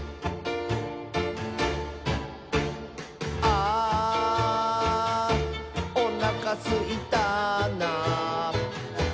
「あーおなかすいたな」